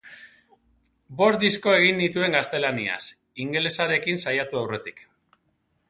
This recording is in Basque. Bost disko egin nituen gaztelaniaz, ingelesarekin saiatu aurretik.